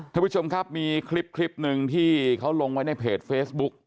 ท่านผู้ชมครับมีคลิปหนึ่งที่เขาลงไว้ในเพจเฟซบุ๊ก